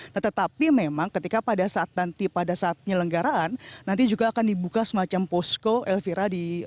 nah tetapi memang ketika pada saat nanti pada saat penyelenggaraan nanti juga akan dibuka semacam posko elvira